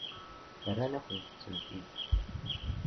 Rran-akent-tent-id.